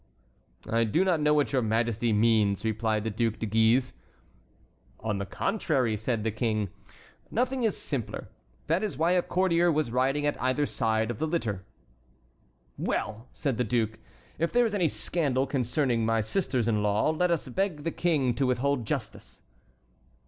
"I do not know what your majesty means," replied the Duc de Guise. "On the contrary," said the king, "nothing is simpler. That is why a courtier was riding at either side of the litter." "Well!" said the duke, "if there is any scandal concerning my sisters in law, let us beg the King to withhold justice."